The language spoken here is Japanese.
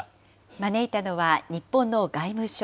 招いたのは日本の外務省。